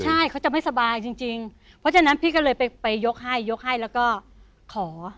ใช่เขาจะไม่สบายจริงเพราะฉะนั้นพี่ก็เลยไปยกให้ยกให้แล้วก็ขอ